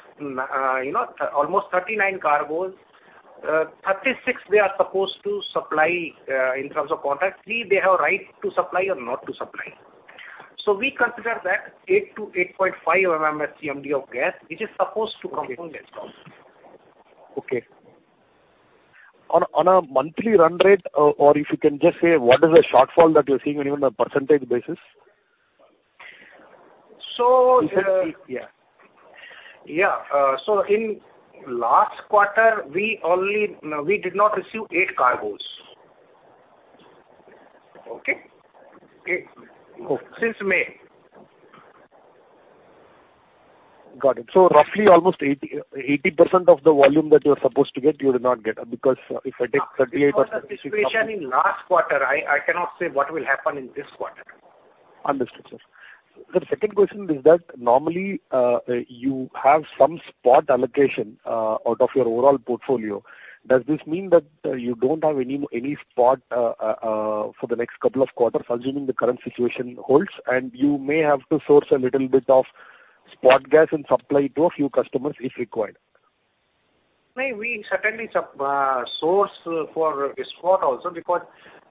almost 39 cargoes, 36 we are supposed to supply in terms of contract. They have right to supply or not to supply. We consider that 8-8.5 MMSCMD of gas, which is supposed to come from Gazprom. Okay. On a monthly run rate, or if you can just say what is the shortfall that you're seeing on even a percentage basis? So the- Yeah. In last quarter, we did not receive 8 cargoes. Okay? Since May. Got it. Roughly almost 80% of the volume that you're supposed to get, you did not get. Because if I take 38- This was the situation in last quarter. I cannot say what will happen in this quarter. Understood, sir. The second question is that normally, you have some spot allocation, out of your overall portfolio. Does this mean that you don't have any spot for the next couple of quarters, assuming the current situation holds, and you may have to source a little bit of spot gas and supply to a few customers if required? No. We certainly source for the spot also because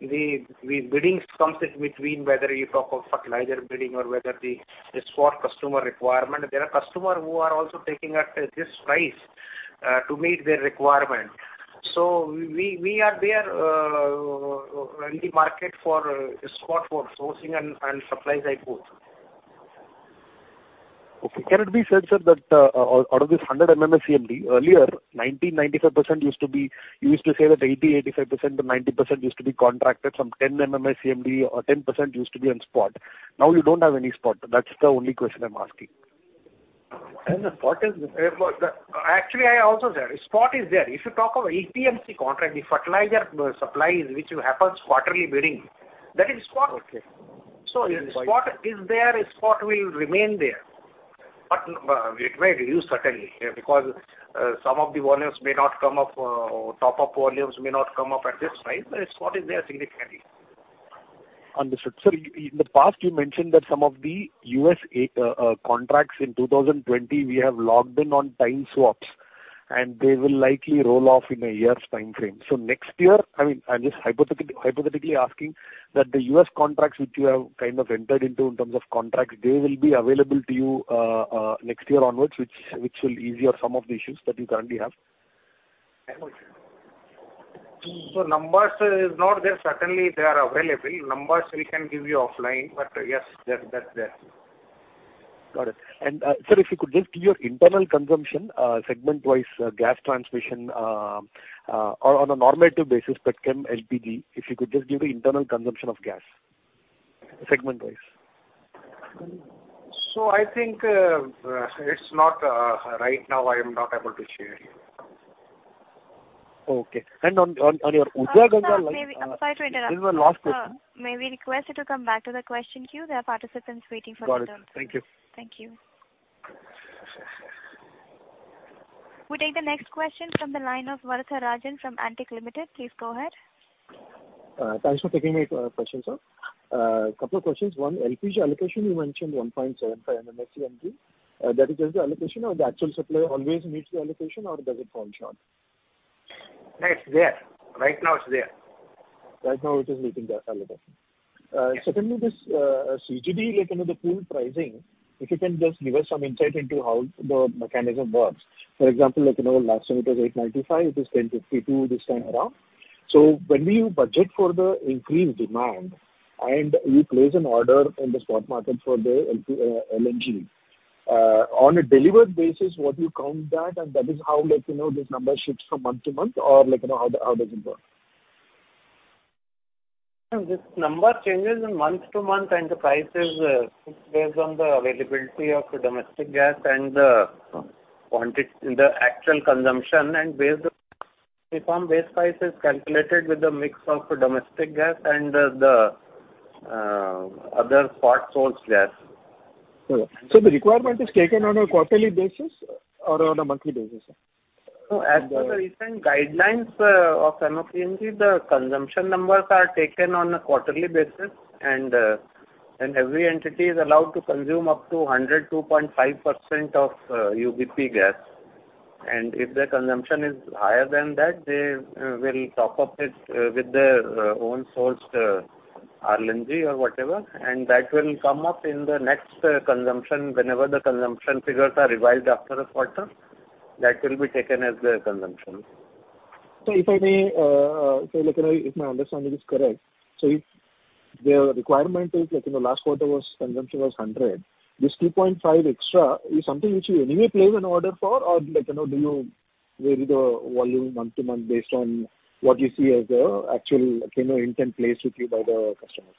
the biddings comes in between whether you talk of fertilizer bidding or whether the spot customer requirement. There are customer who are also taking at this price to meet their requirement. We are there in the market for spot for sourcing and supply side both. Can it be said, sir, that out of this 100 MMSCMD earlier, 90%-95% used to be. You used to say that 80%-85% to 90% used to be contracted. Some 10 MMSCMD or 10% used to be on spot. Now you don't have any spot. That's the only question I'm asking. Actually, I also said, spot is there. If you talk of LNG contract, the fertilizer supply is which happens quarterly bidding, that is spot. Okay. Spot is there, spot will remain there. It may reduce certainly, because some of the volumes may not come up, or top of volumes may not come up at this price. It's not in there significantly. Understood. Sir, in the past you mentioned that some of the US contracts in 2020 we have locked in on time swaps, and they will likely roll off in a year's time frame. Next year, I mean, I'm just hypothetically asking that the US contracts which you have kind of entered into in terms of contracts, they will be available to you next year onwards, which will ease some of the issues that you currently have. Numbers is not there. Certainly they are available. Numbers we can give you offline, but yes, that's there. Got it. Sir, if you could just give your internal consumption, segment-wise, gas transmission, or on a normative basis, Petchem LPG, if you could just give the internal consumption of gas segment-wise. I think it's not. Right now I am not able to share with you. Okay. On your Urja Ganga line. Sir, sorry to interrupt. This is the last question. May we request you to come back to the question queue. There are participants waiting for their turn. Got it. Thank you. Thank you. We take the next question from the line of Varatharajan Sivasankaran from Antique Stock Broking Limited. Please go ahead. Thanks for taking my question, sir. Couple of questions. One, LPG allocation, you mentioned 1.75 MMSCMD. That is just the allocation or the actual supplier always meets the allocation or does it fall short? No, it's there. Right now it's there. Right now it is meeting the allocation. Secondly, this CGD, like the pool pricing, if you can just give us some insight into how the mechanism works. For example, like last time it was $8.95, it is $10.52 this time around. When we budget for the increased demand and you place an order in the spot market for the LNG on a delivered basis, what you count that and that is how, like this number shifts from month to month or, like how does it work? This number changes month to month, and the price is based on the availability of domestic gas and the actual consumption. Reform base price is calculated with the mix of domestic gas and the other spot source gas. The requirement is taken on a quarterly basis or on a monthly basis, sir? As per the recent guidelines of MOPNG, the consumption numbers are taken on a quarterly basis, and every entity is allowed to consume up to 102.5% of UBP gas. If their consumption is higher than that, they will top up it with their own sourced LNG or whatever, and that will come up in the next consumption. Whenever the consumption figures are revised after a quarter, that will be taken as their consumption. If my understanding is correct, if their requirement is, like in the last quarter consumption was 100, this 2.5 extra is something which you anyway place an order for or like do you vary the volume month to month based on what you see as the actual, like intent placed with you by the customers?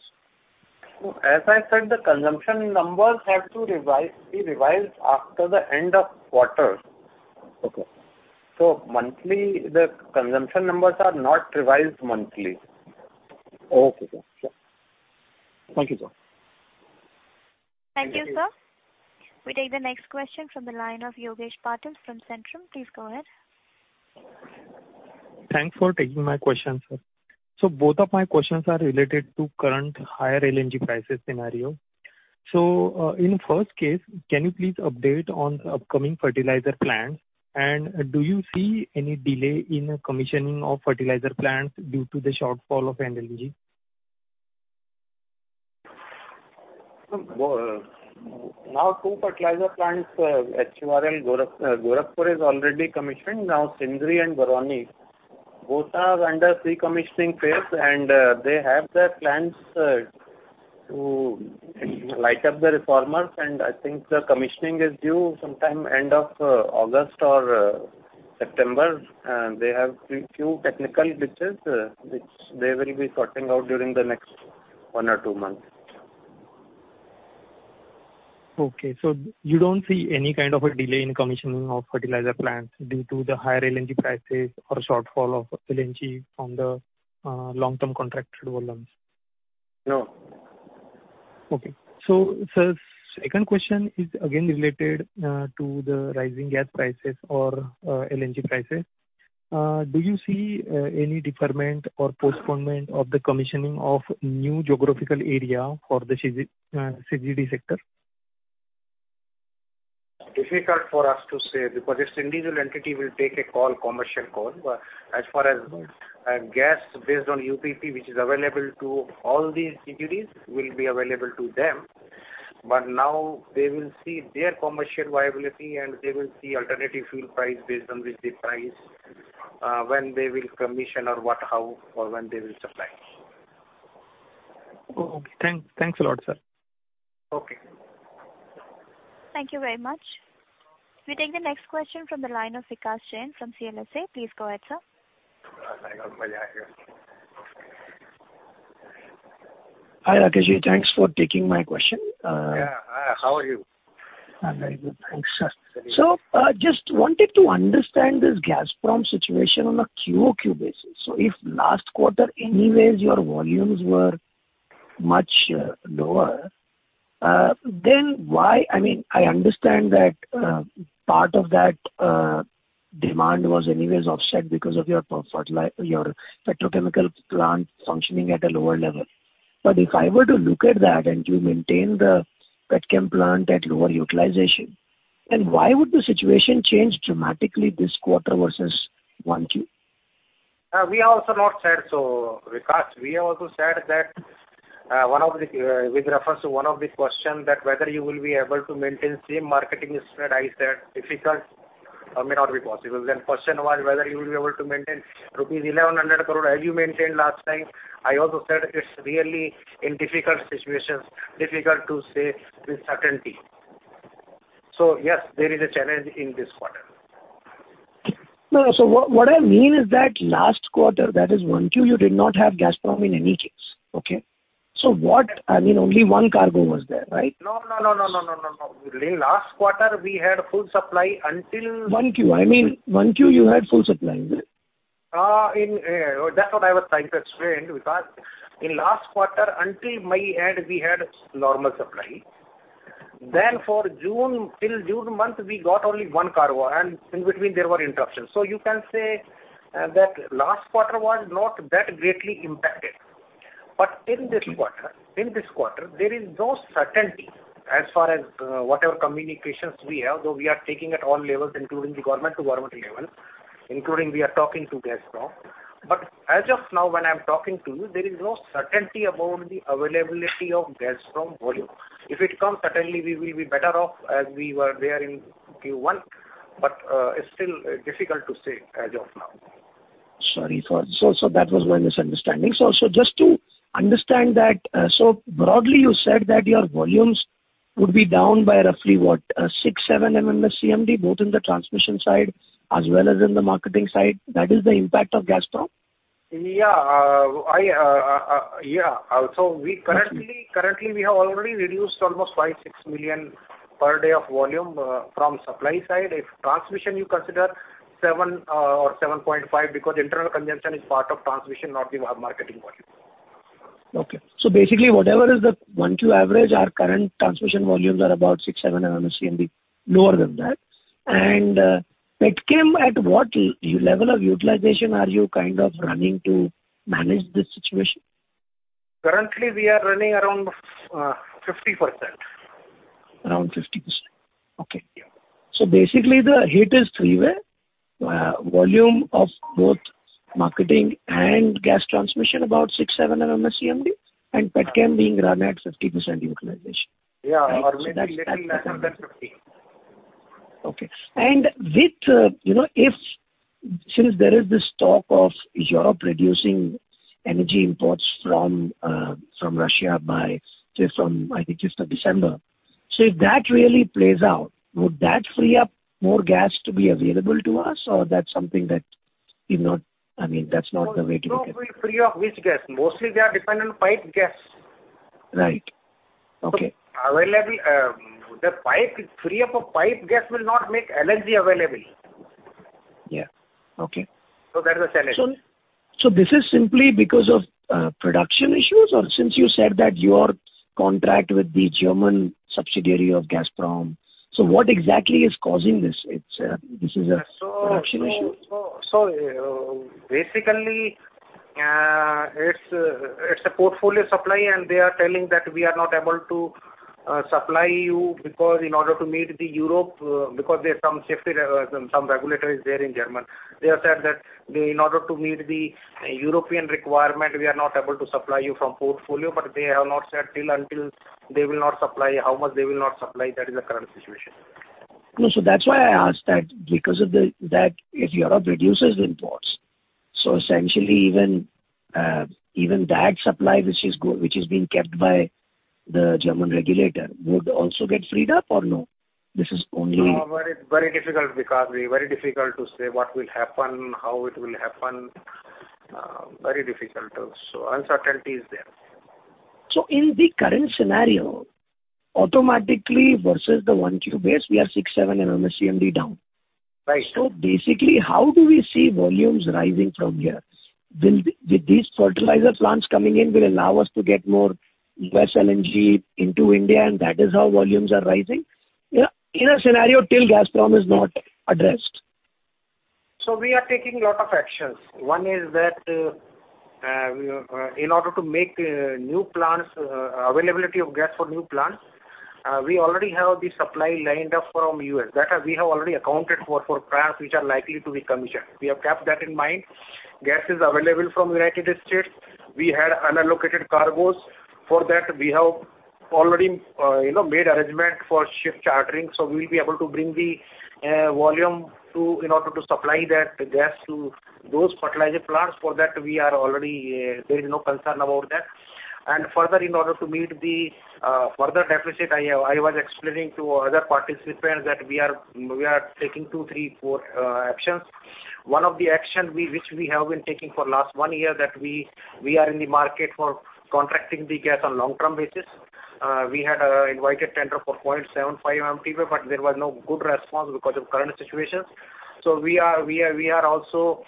As I said, the consumption numbers have to be revised after the end of quarter. Okay. Monthly, the consumption numbers are not revised monthly. Okay. Sure. Thank you, sir. Thank you, sir. We take the next question from the line of Yogesh Patil from Centrum. Please go ahead. Thanks for taking my question, sir. Both of my questions are related to current higher LNG prices scenario. In first case, can you please update on upcoming fertilizer plants? Do you see any delay in commissioning of fertilizer plants due to the shortfall of LNG? Now two fertilizer plants, Ramagundam and Gorakhpur is already commissioned. Now Sindri and Barauni, both are under pre-commissioning phase, and they have their plans to light up the reformers. I think the commissioning is due sometime end of August or September. They have few technical glitches which they will be sorting out during the next one or two months. Okay. You don't see any kind of a delay in commissioning of fertilizer plants due to the higher LNG prices or shortfall of LNG from the long-term contracted volumes? No. Sir, second question is again related to the rising gas prices or LNG prices. Do you see any deferment or postponement of the commissioning of new geographical area for the CGD sector? Difficult for us to say because this individual entity will take a call, commercial call. As far as gas based on UBP, which is available to all these CGDs, will be available to them. Now they will see their commercial viability and they will see alternative fuel price based on rich price, when they will commission or what, how or when they will supply. Okay. Thanks a lot, sir. Okay. Thank you very much. We take the next question from the line of Vikash Kumar Jain from CLSA. Please go ahead, sir. Hi, Rakeshji. Thanks for taking my question. Yeah. Hi. How are you? I'm very good, thanks. Just wanted to understand this Gazprom situation on a QoQ basis. If last quarter anyways your volumes were much lower, then why? I mean, I understand that part of that demand was anyways offset because of your petrochemical plant functioning at a lower level. If I were to look at that, and you maintain the petchem plant at lower utilization, then why would the situation change dramatically this quarter versus one Q? We also said so because we also said that with reference to one of the question that whether you will be able to maintain same marketing spread. I said difficult or may not be possible. Question was whether you will be able to maintain rupees 1,100 crore as you maintained last time. I also said it's really in difficult situations, difficult to say with certainty. Yes, there is a challenge in this quarter. No, no. What I mean is that last quarter, that is 1Q, you did not have Gazprom in any case. Okay? What I mean, only 1 cargo was there, right? No. In last quarter we had full supply until- 1Q. I mean, 1Q, you had full supply, right? That's what I was trying to explain because in last quarter, until May end, we had normal supply. For June, till June month we got only one cargo, and in between there were interruptions. You can say that last quarter was not that greatly impacted. In this quarter, there is no certainty as far as whatever communications we have. We are talking at all levels, including the government to government level, including we are talking to Gazprom. As of now, when I'm talking to you, there is no certainty about the availability of Gazprom volume. If it comes, certainly we will be better off as we were there in Q1. It's still difficult to say as of now. Sorry. That was my misunderstanding. Just to understand that, so broadly you said that your volumes would be down by roughly 6-7 MMSCMD, both in the transmission side as well as in the marketing side. That is the impact of Gazprom? Yeah. We currently Okay. Currently we have already reduced almost 5-6 million per day of volume from supply side. If transmission, you consider 7 or 7.5, because internal consumption is part of transmission, not the marketing volume. Okay. Basically whatever is the 1Q average, our current transmission volumes are about 6-7 MMSCMD, lower than that. Petchem, at what utilization level are you kind of running to manage this situation? Currently we are running around, 50%. Around 50%. Okay. Yeah. Basically the hit is three way. Volume of both marketing and gas transmission, about 6-7 MMSCMD, and petchem being run at 50% utilization. Yeah. Right? That's. Maybe little lesser than 50. Okay. with if since there is this talk of Europe reducing energy imports from Russia by say from, I think it's the December. If that really plays out, would that free up more gas to be available to us? Or that's something that is not. I mean, that's not the way to look at it. No, free up which gas? Mostly they are dependent on pipe gas. Right. Okay. Availability of piped gas will not make LNG available. Yeah. Okay. That is the challenge. This is simply because of production issues? Since you said that your contract with the German subsidiary of Gazprom. What exactly is causing this? This is a production issue? Basically, it's a portfolio supply, and they are telling that we are not able to supply you because in order to meet the European, because there's some regulator in Germany. They have said that in order to meet the European requirement, we are not able to supply you from portfolio. They have not said until they will not supply, how much they will not supply. That is the current situation. No. That's why I asked that because of the that if Europe reduces imports, so essentially even that supply which is being kept by the German regulator would also get freed up or no? This is only. No. Very, very difficult. Very difficult to say what will happen, how it will happen. Uncertainty is there. In the current scenario, actual versus the 1Q base, we are 6-7 MMSCMD down. Right. Basically, how do we see volumes rising from here? These fertilizer plants coming in will allow us to get more US LNG into India, and that is how volumes are rising in a scenario till Gazprom is not addressed. We are taking a lot of actions. One is that, in order to make availability of gas for new plants, we already have the supply lined up from U.S. That we have already accounted for plants which are likely to be commissioned. We have kept that in mind. Gas is available from United States. We had unallocated cargos. For that we have already made arrangement for ship chartering, so we will be able to bring the volume in order to supply that gas to those fertilizer plants. For that, there is no concern about that. Further, in order to meet the further deficit, I was explaining to other participants that we are taking two, three, four actions. One of the actions we have been taking for the last one year is that we are in the market for contracting the gas on a long-term basis. We had invited tender for 0.75 MTPA, but there was no good response because of current situations. We are also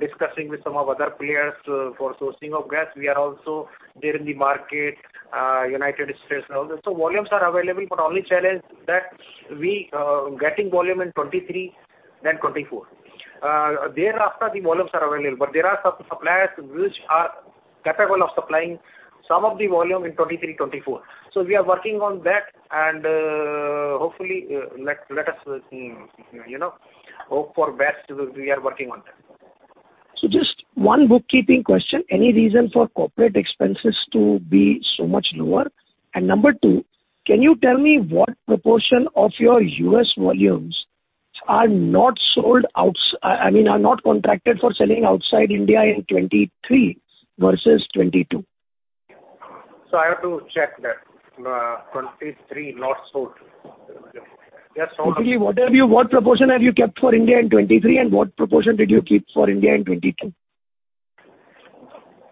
discussing with some of the other players for sourcing of gas. We are also there in the market, United States and all this. Volumes are available, but the only challenge that we are getting volume in 2023 than 2024. Thereafter the volumes are available, but there are some suppliers which are capable of supplying some of the volume in 2023, 2024. We are working on that. Hopefully, let us hope for the best. We are working on that. Just one bookkeeping question. Any reason for corporate expenses to be so much lower? Number two, can you tell me what proportion of your US volumes are, I mean, not contracted for selling outside India in 2023 versus 2022? I have to check that. 2023 not sold. They are sold. Okay. What proportion have you kept for India in 2023, and what proportion did you keep for India in 2022?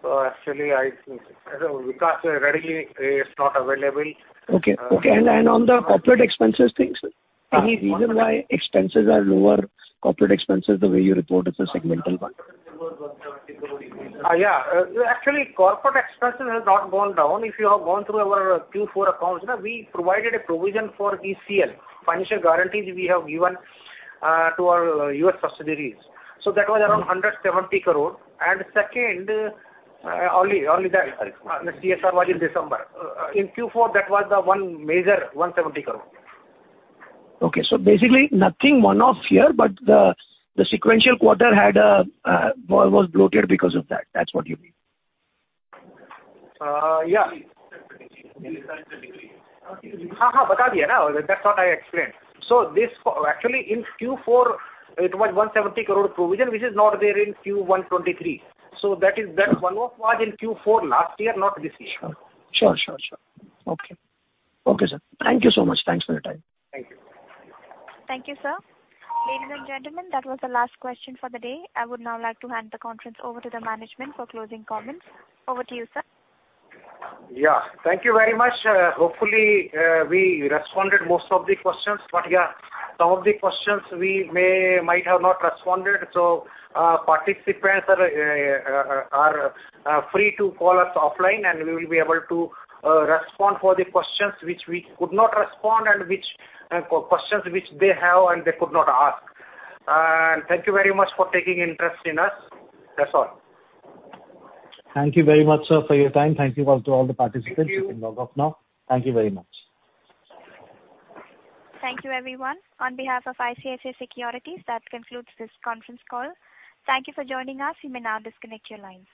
Actually, I think because readily it's not available. On the corporate expenses thing, sir. Any reason why expenses are lower, corporate expenses, the way you report as a segmental one? Actually, corporate expenses has not gone down. If you have gone through our Q4 accounts, we provided a provision for ECL, financial guarantees we have given, to our U.S. subsidiaries. So that was around 170 crore. Second, only that, the CSR was in December. In Q4, that was the only major 170 crore. Okay. Basically nothing one-off here, but the sequential quarter was bloated because of that. That's what you mean. Yeah. That's what I explained. Actually, in Q4 it was 170 crore provision, which is not there in Q1 2023. That one-off was in Q4 last year, not this year. Sure. Okay, sir. Thank you so much. Thanks for your time. Thank you. Thank you, sir. Ladies and gentlemen, that was the last question for the day. I would now like to hand the conference over to the management for closing comments. Over to you, sir. Yeah. Thank you very much. Hopefully, we responded most of the questions. Yeah, some of the questions we might have not responded. Participants are free to call us offline, and we will be able to respond for the questions which we could not respond and questions which they have and they could not ask. Thank you very much for taking interest in us. That's all. Thank you very much, sir, for your time. Thank you all to all the participants. Thank you. You can log off now. Thank you very much. Thank you, everyone. On behalf of ICICI Securities, that concludes this conference call. Thank you for joining us. You may now disconnect your lines.